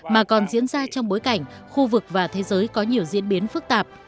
mà còn diễn ra trong bối cảnh khu vực và thế giới có nhiều diễn biến phức tạp